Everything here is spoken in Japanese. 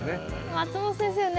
松本先生ね